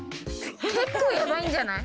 結構やばいんじゃない？